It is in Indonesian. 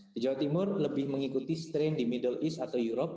di jawa timur lebih mengikuti strain di middle east atau europe